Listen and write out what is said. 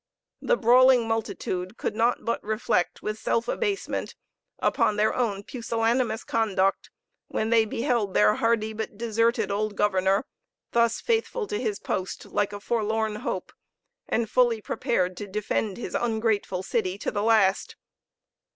The brawling multitude could not but reflect with self abasement upon their own pusillanimous conduct, when they beheld their hardy but deserted old governor, thus faithful to his post, like a forlorn hope, and fully prepared to defend his ungrateful city to the last.